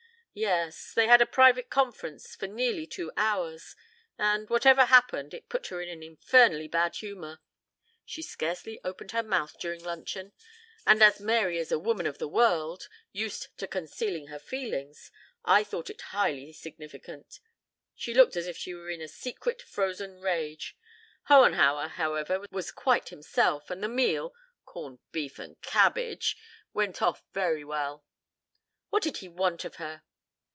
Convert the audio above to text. "Yes. They had a private conference for nearly two hours, and, whatever happened, it put her in an infernally bad humor. She scarcely opened her mouth during luncheon, and as Mary is a woman of the world, used to concealing her feelings, I thought it highly significant. She looked as if she were in a secret frozen rage. Hohenhauer, however, was quite himself, and the meal corned beef and cabbage! went off very well." "What did he want of her?"